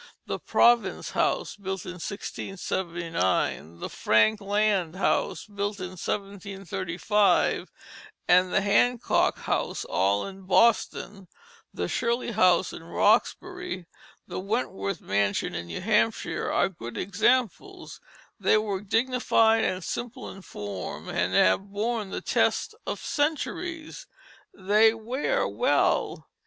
The Province House, built in 1679, the Frankland House in 1735, and the Hancock House, all in Boston; the Shirley House in Roxbury, the Wentworth Mansion in New Hampshire, are good examples. They were dignified and simple in form, and have borne the test of centuries, they wear well.